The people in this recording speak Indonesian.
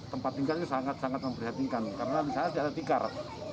tempat tinggal ini sangat sangat memperhatinkan karena di sana tidak ada tikar